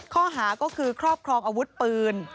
ข้อหาก็คือครอบครองอาวุธปืน